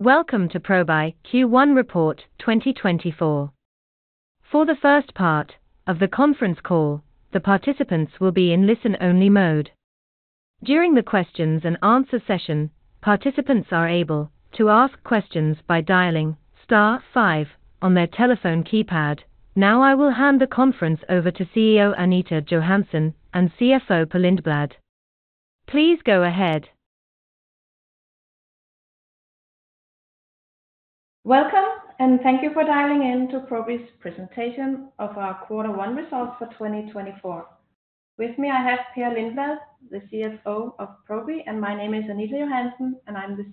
Welcome to Probi Q1 report 2024. For the first part of the conference call, the participants will be in listen-only mode. During the questions-and-answers session, participants are able to ask questions by dialing star five on their telephone keypad. Now I will hand the conference over to CEO Anita Johansen and CFO Per Lindblad. Please go ahead. Welcome, and thank you for dialing in to Probi's presentation of our Q1 results for 2024. With me I have Per Lindblad, the CFO of Probi, and my name is Anita Johansen, and I'm the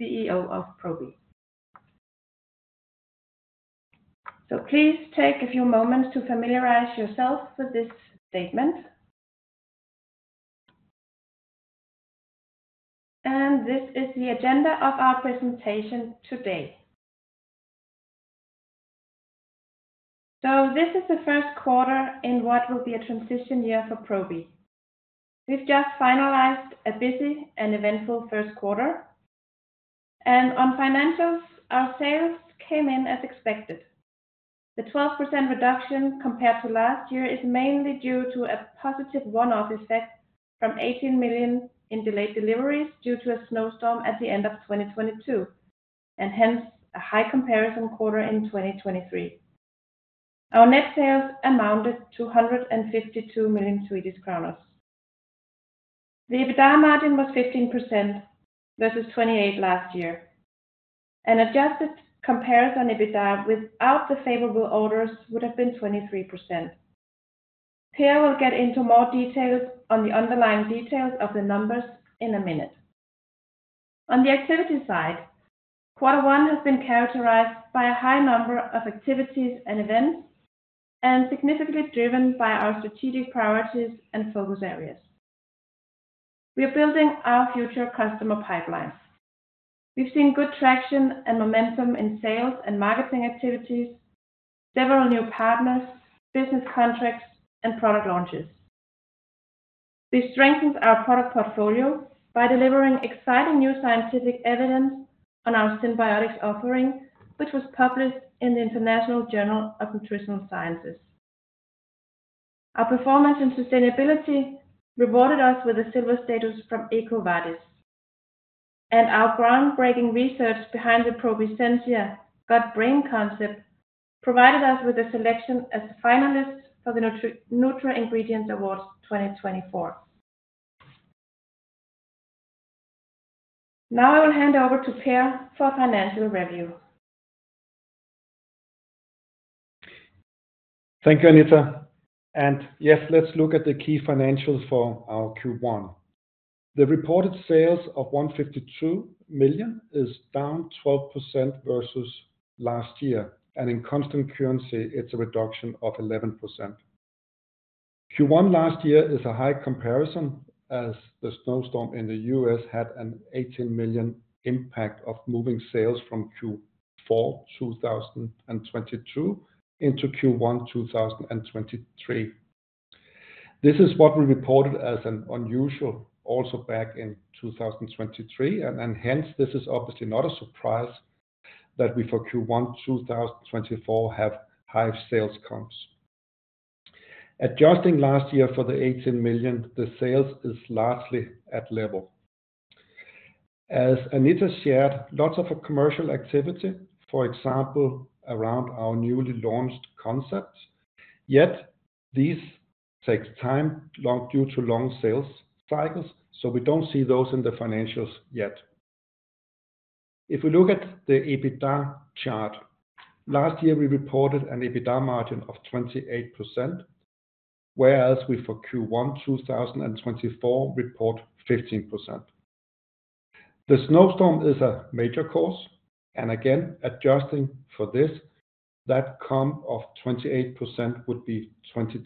CEO of Probi. So please take a few moments to familiarize yourself with this statement. And this is the agenda of our presentation today. So this is the first quarter in what will be a transition year for Probi. We've just finalized a busy and eventful first quarter, and on financials, our sales came in as expected. The 12% reduction compared to last year is mainly due to a positive one-off effect from 18 million in delayed deliveries due to a snowstorm at the end of 2022, and hence a high comparison quarter in 2023. Our net sales amounted to 152 million. The EBITDA margin was 15% versus 28% last year, and adjusted comparison EBITDA without the favorable orders would have been 23%. Per will get into more details on the underlying details of the numbers in a minute. On the activity side, Q1 has been characterized by a high number of activities and events, and significantly driven by our strategic priorities and focus areas. We are building our future customer pipeline. We've seen good traction and momentum in sales and marketing activities, several new partners, business contracts, and product launches. This strengthens our product portfolio by delivering exciting new scientific evidence on our synbiotics offering, which was published in the International Journal of Nutritional Sciences. Our performance in sustainability rewarded us with a Silver status from EcoVadis, and our groundbreaking research behind the Probi Sensia gut-brain concept provided us with a selection as finalists for the NutraIngredients Awards 2024. Now I will hand over to Per for financial review. Thank you, Anita. Yes, let's look at the key financials for our Q1. The reported sales of 152 million is down 12% versus last year, and in constant currency it's a reduction of 11%. Q1 last year is a high comparison as the snowstorm in the U.S. had an 18 million impact of moving sales from Q4 2022 into Q1 2023. This is what we reported as an unusual also back in 2023, and hence this is obviously not a surprise that we for Q1 2024 have high sales comps. Adjusting last year for the 18 million, the sales is largely at level. As Anita shared, lots of commercial activity, for example around our newly launched concept, yet these take time due to long sales cycles, so we don't see those in the financials yet. If we look at the EBITDA chart, last year we reported an EBITDA margin of 28%, whereas we for Q1 2024 report 15%. The snowstorm is a major cause, and again adjusting for this, that comp of 28% would be 23%.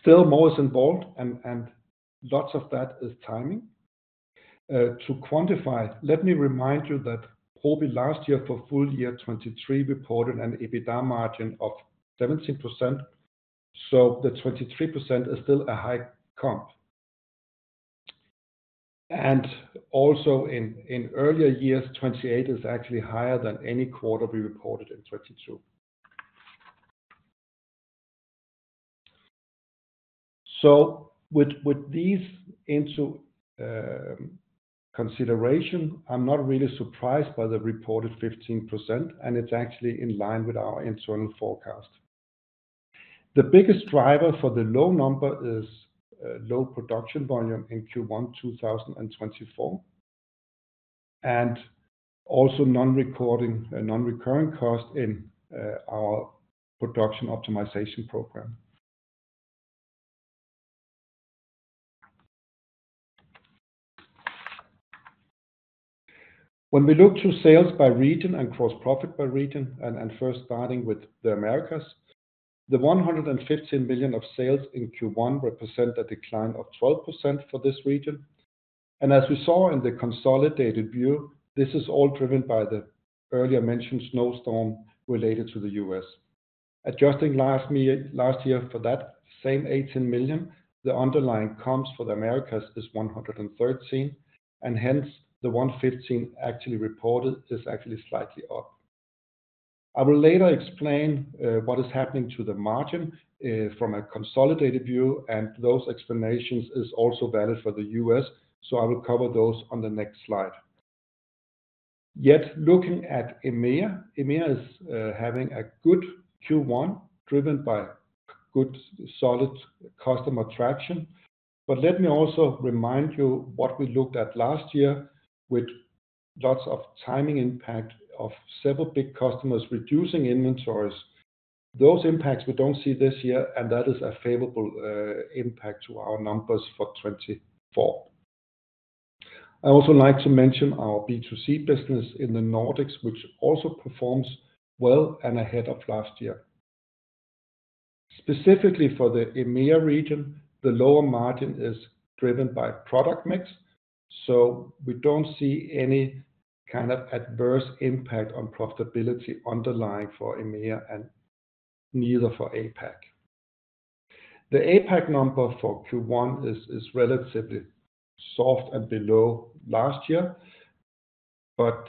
Still more is involved, and lots of that is timing. To quantify, let me remind you that Probi last year for full year 2023 reported an EBITDA margin of 17%, so the 23% is still a high comp. And also in earlier years, 28% is actually higher than any quarter we reported in 2022. So with these into consideration, I'm not really surprised by the reported 15%, and it's actually in line with our internal forecast. The biggest driver for the low number is low production volume in Q1 2024, and also non-recurring cost in our production optimization program. When we look to sales by region and gross profit by region, and first starting with the Americas, the 115 million of sales in Q1 represent a decline of 12% for this region. As we saw in the consolidated view, this is all driven by the earlier mentioned snowstorm related to the U.S. Adjusting last year for that same 18 million, the underlying comps for the Americas is 113 million, and hence the 115 million actually reported is actually slightly up. I will later explain what is happening to the margin from a consolidated view, and those explanations is also valid for the U.S., so I will cover those on the next slide. Yet looking at EMEA, EMEA is having a good Q1 driven by good solid customer traction. Let me also remind you what we looked at last year with lots of timing impact of several big customers reducing inventories. Those impacts we don't see this year, and that is a favorable impact to our numbers for 2024. I also like to mention our B2C business in the Nordics, which also performs well and ahead of last year. Specifically for the EMEA region, the lower margin is driven by product mix, so we don't see any kind of adverse impact on profitability underlying for EMEA and neither for APAC. The APAC number for Q1 is relatively soft and below last year, but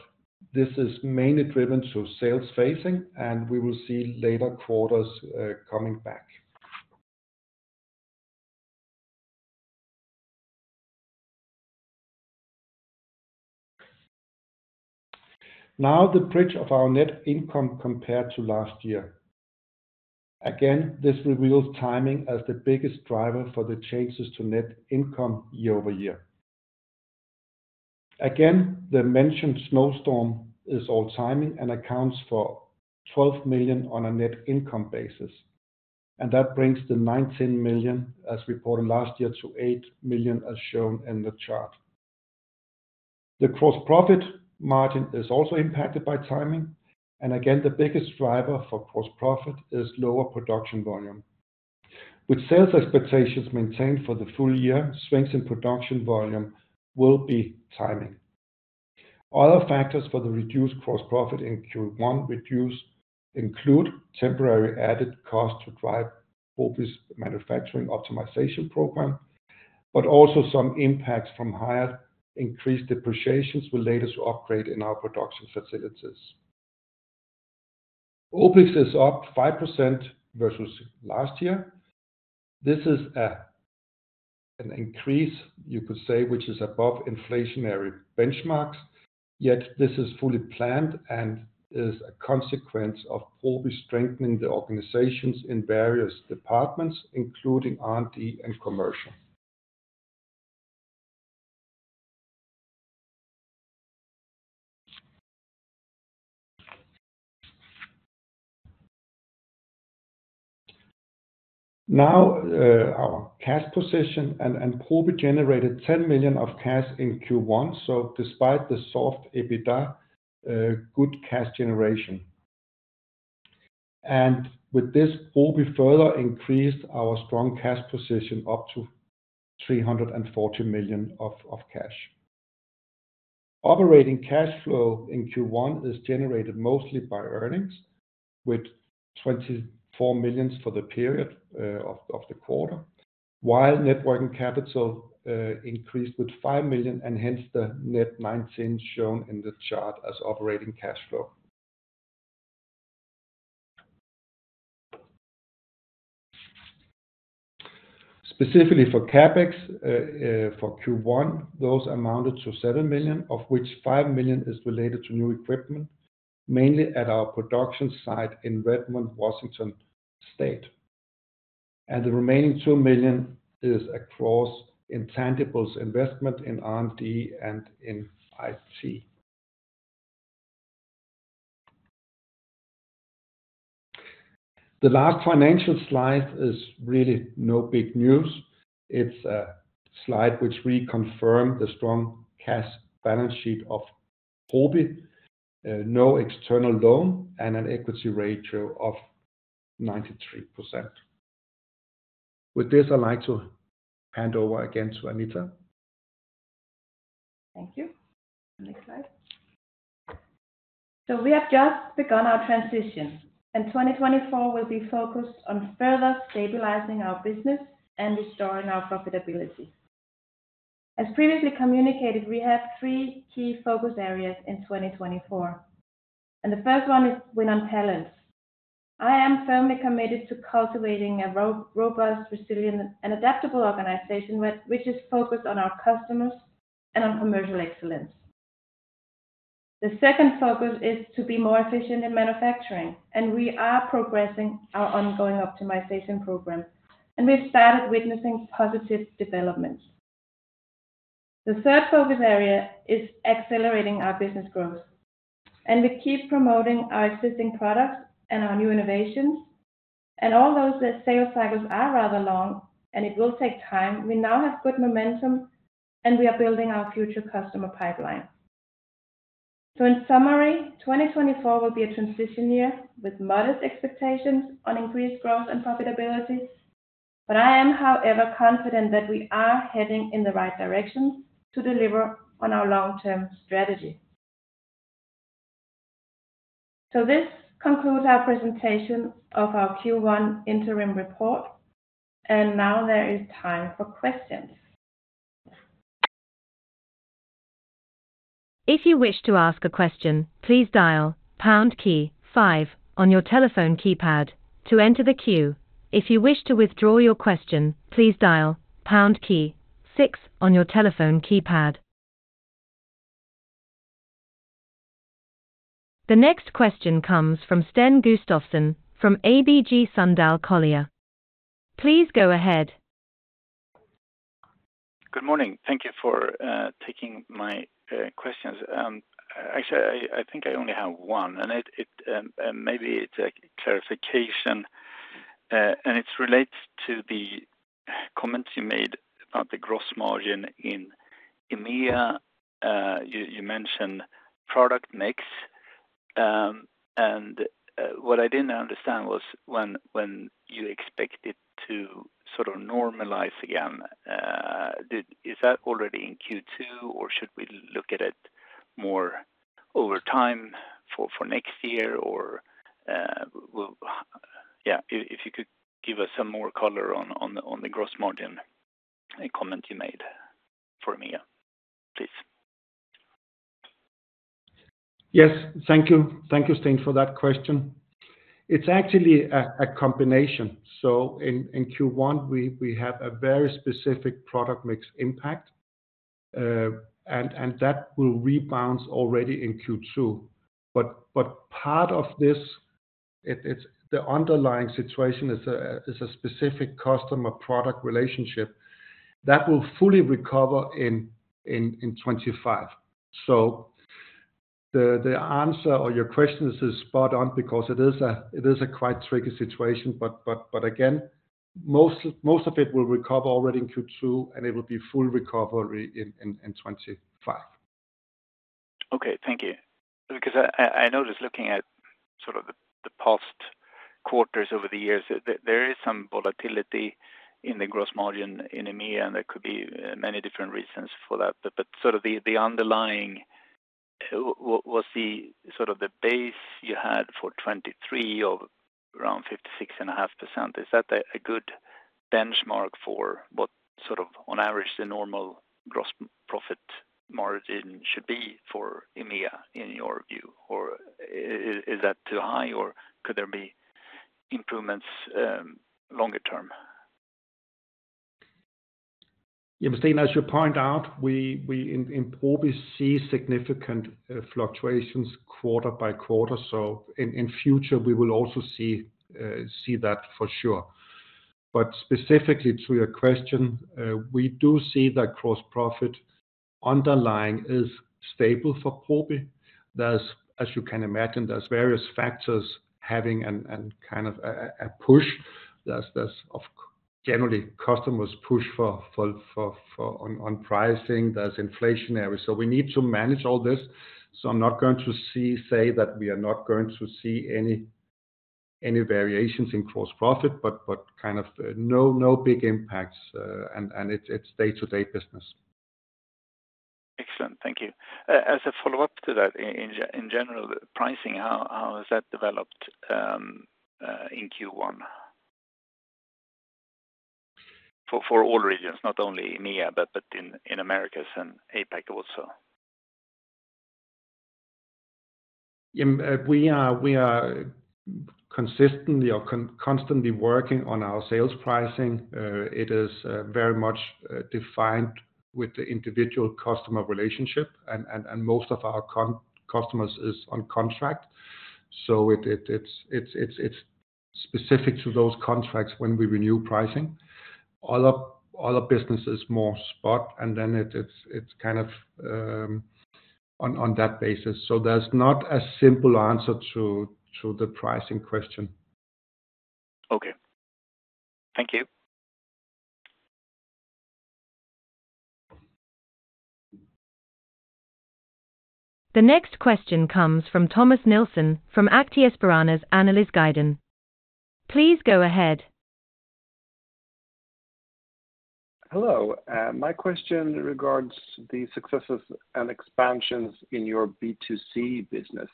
this is mainly driven by sales phasing, and we will see later quarters coming back. Now the bridge of our net income compared to last year. Again, this reveals timing as the biggest driver for the changes to net income year-over-year. Again, the mentioned snowstorm is all timing and accounts for 12 million on a net income basis, and that brings the 19 million as reported last year to 8 million as shown in the chart. The gross-profit margin is also impacted by timing, and again the biggest driver for gross profit is lower production volume. With sales expectations maintained for the full year, swings in production volume will be timing. Other factors for the reduced gross profit in Q1 include temporary added cost to drive Probi's manufacturing optimization program, but also some impacts from higher increased depreciations related to upgrade in our production facilities. OpEx is up 5% versus last year. This is an increase, you could say, which is above inflationary benchmarks, yet this is fully planned and is a consequence of Probi strengthening the organizations in various departments, including R&D and commercial. Now our cash position, and Probi generated 10 million of cash in Q1, so despite the soft EBITDA, good cash generation. With this, Probi further increased our strong cash position up to 340 million of cash. Operating cash flow in Q1 is generated mostly by earnings, with 24 million for the period of the quarter, while working capital increased with 5 million and hence the net 19 million shown in the chart as operating cash flow. Specifically for CapEx for Q1, those amounted to 7 million, of which 5 million is related to new equipment, mainly at our production site in Redmond, Washington. The remaining 2 million is across intangibles investment in R&D and in IT. The last financial slide is really no big news. It's a slide which reconfirms the strong cash balance sheet of Probi, no external loan, and an equity ratio of 93%. With this, I'd like to hand over again to Anita. Thank you. Next slide. We have just begun our transition, and 2024 will be focused on further stabilizing our business and restoring our profitability. As previously communicated, we have three key focus areas in 2024, and the first one is win on talent. I am firmly committed to cultivating a robust, resilient, and adaptable organization which is focused on our customers and on commercial excellence. The second focus is to be more efficient in manufacturing, and we are progressing our ongoing optimization program, and we've started witnessing positive developments. The third focus area is accelerating our business growth, and we keep promoting our existing products and our new innovations, and although the sales cycles are rather long and it will take time, we now have good momentum and we are building our future customer pipeline. So in summary, 2024 will be a transition year with modest expectations on increased growth and profitability, but I am, however, confident that we are heading in the right direction to deliver on our long-term strategy. So this concludes our presentation of our Q1 interim report, and now there is time for questions. If you wish to ask a question, please dial pound key five on your telephone keypad to enter the queue. If you wish to withdraw your question, please dial pound key six on your telephone keypad. The next question comes from Sten Gustafsson from ABG Sundal Collier. Please go ahead. Good morning. Thank you for taking my questions. Actually, I think I only have one, and maybe it's a clarification, and it relates to the comments you made about the gross margin in EMEA. You mentioned product mix, and what I didn't understand was when you expect it to sort of normalize again, is that already in Q2 or should we look at it more over time for next year or yeah, if you could give us some more color on the gross margin comment you made for EMEA, please. Yes, thank you. Thank you, Sten, for that question. It's actually a combination. So in Q1, we have a very specific product mix impact, and that will rebound already in Q2. But part of this, the underlying situation is a specific customer-product relationship that will fully recover in 2025. So the answer or your question is spot on because it is a quite tricky situation, but again, most of it will recover already in Q2, and it will be full recovery in 2025. Okay, thank you. Because I noticed looking at sort of the past quarters over the years, there is some volatility in the gross margin in EMEA, and there could be many different reasons for that. But sort of the underlying, was the sort of the base you had for 2023 of around 56.5%, is that a good benchmark for what sort of on average the normal gross profit margin should be for EMEA in your view? Or is that too high or could there be improvements longer term? Yeah, but Sten, as you point out, in Probi we see significant fluctuations quarter by quarter, so in future we will also see that for sure. But specifically to your question, we do see that gross profit underlying is stable for Probi. As you can imagine, there's various factors having kind of a push. There's generally customers' push on pricing. There's inflationary. So we need to manage all this. So I'm not going to say that we are not going to see any variations in gross profit, but kind of no big impacts, and it's day-to-day business. Excellent. Thank you. As a follow-up to that, in general, pricing, how has that developed in Q1? For all regions, not only EMEA, but in Americas and APAC also. Yeah, we are consistently or constantly working on our sales pricing. It is very much defined with the individual customer relationship, and most of our customers is on contract. So it's specific to those contracts when we renew pricing. Other businesses more spot, and then it's kind of on that basis. So there's not a simple answer to the pricing question. Okay. Thank you. The next question comes from Thomas Nielsen from Aktiespararna's Analysguiden. Please go ahead. Hello. My question regards the successes and expansions in your B2C business.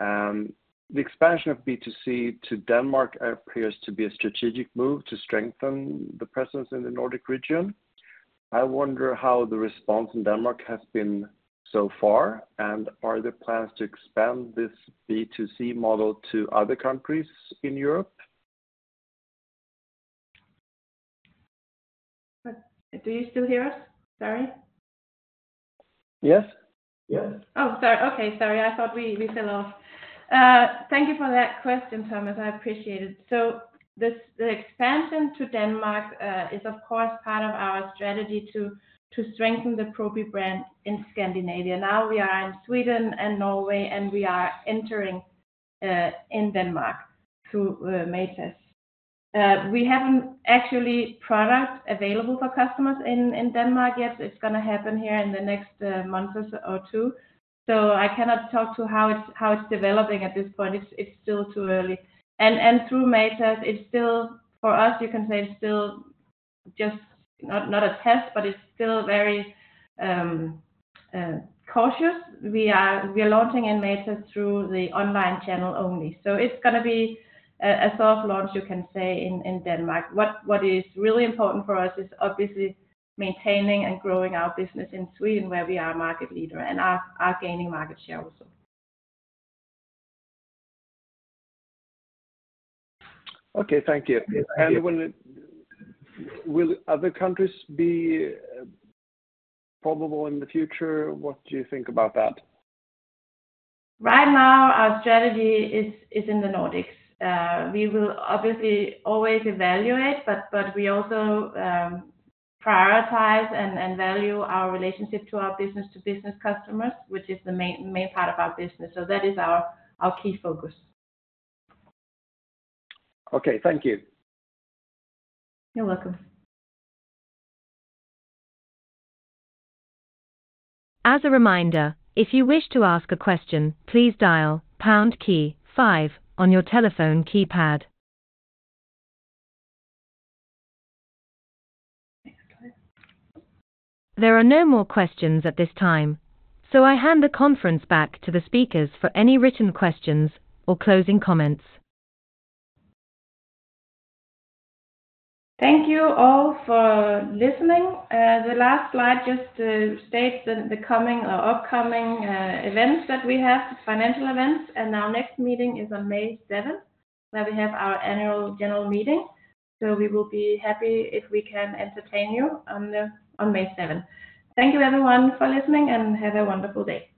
The expansion of B2C to Denmark appears to be a strategic move to strengthen the presence in the Nordic region. I wonder how the response in Denmark has been so far, and are there plans to expand this B2C model to other countries in Europe? Do you still hear us? Sorry? Yes. Yes. Oh, sorry. Okay, sorry. I thought we fell off. Thank you for that question, Thomas. I appreciate it. So the expansion to Denmark is, of course, part of our strategy to strengthen the Probi brand in Scandinavia. Now we are in Sweden and Norway, and we are entering in Denmark through Matas. We haven't actually product available for customers in Denmark yet. It's going to happen here in the next months or two. So I cannot talk to how it's developing at this point. It's still too early. And through Matas, for us, you can say it's still just not a test, but it's still very cautious. We are launching in Matas through the online channel only. So it's going to be a soft launch, you can say, in Denmark. What is really important for us is obviously maintaining and growing our business in Sweden, where we are a market leader, and are gaining market share also. Okay, thank you. Will other countries be probable in the future? What do you think about that? Right now, our strategy is in the Nordics. We will obviously always evaluate, but we also prioritize and value our relationship to our business-to-business customers, which is the main part of our business. So that is our key focus. Okay, thank you. You're welcome. As a reminder, if you wish to ask a question, please dial pound key five on your telephone keypad. There are no more questions at this time, so I hand the conference back to the speakers for any written questions or closing comments. Thank you all for listening. The last slide just states the coming or upcoming events that we have, financial events. Our next meeting is on May 7th, where we have our Annual General Meeting. We will be happy if we can entertain you on May 7th. Thank you, everyone, for listening, and have a wonderful day.